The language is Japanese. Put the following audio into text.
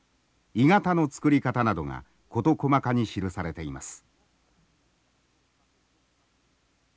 鋳型の作り方などが事細かに記されています。